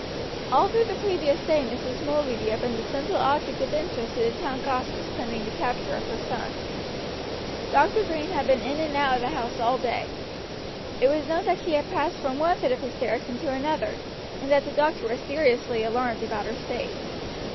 All through the previous day Mrs. Mulready had been the central object of interest to the town gossips pending the capture of her son. Dr. Green had been in and out of the house all day. It was known that she had passed from one fit of hysterics into another, and that the doctor was seriously alarmed about her state.